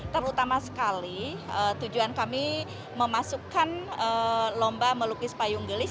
terutama sekali tujuan kami memasukkan lomba melukis payung gelis